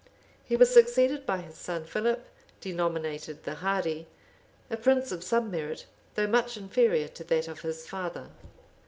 He was succeeded by his son Philip, denominated the Hardy; a prince of some merit, though much inferior to that of his father.